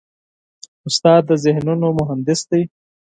استاد د ذهنونو مهندس دی.